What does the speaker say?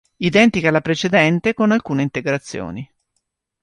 Identiche alla precedente con alcune integrazioni.